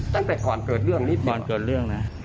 ตั้งแต่ก่อนเกิดเรื่องนี้ตอนเกิดเรื่องนะ